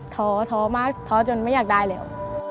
ท้อท้อมากท้อจนไม่อยากได้แล้ว